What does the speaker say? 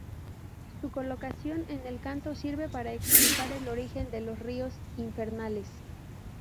Su colocación en el canto sirve para explicar el origen de los ríos infernales.